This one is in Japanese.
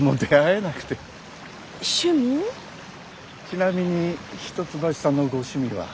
ちなみに一橋さんのご趣味は。